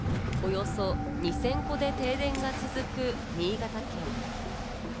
およそ２０００戸で停電が続く新潟県。